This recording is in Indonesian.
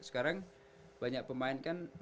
sekarang banyak pemain kan